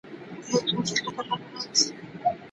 آیا دا پروسه انسان په ځان باوري کوي؟